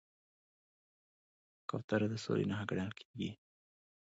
کوتره د سولې نښه ګڼل کېږي.